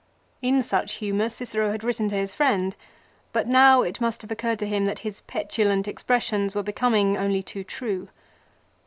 In such humour Cicero had written to his friend ; but now it must have occurred to him that his petulant expressions were becoming only too true.